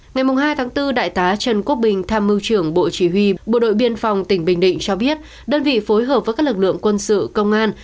ngày hai tháng bốn đại tá trần quốc bình tham mưu trưởng bộ chỉ huy bộ đội biên phòng tỉnh bình định cho biết đơn vị phối hợp với các lực lượng quân sự công an